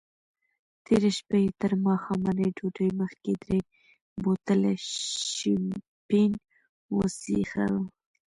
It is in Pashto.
تېره شپه یې تر ماښامنۍ ډوډۍ مخکې درې بوتله شیمپین وڅیښل.